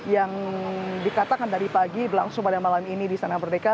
yang dikatakan tadi pagi langsung pada malam ini di sana merdeka